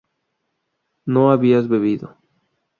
no habías bebido